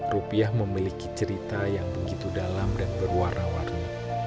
rupiah memiliki cerita yang begitu dalam dan berwarna warni